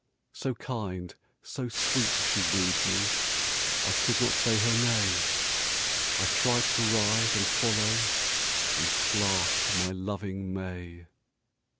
So kind, so sweet she wooed me, I could not say her nay; I tried to rise and follow, And clasp my loving may.